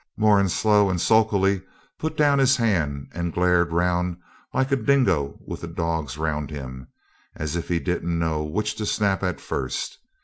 Moran, slow and sulkily, put down his hand and glared round like a dingo with the dogs round him as if he didn't know which to snap at first.